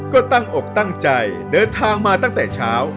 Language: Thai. ก็ตั้งอกตั้งใจเดินทางมาตั้งแต่เช้า